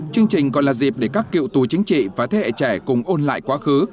chương trình còn là dịp để các cựu tù chính trị và thế hệ trẻ cùng ôn lại quá khứ